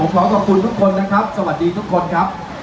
ขอขอบคุณทุกคนนะครับสวัสดีทุกคนครับ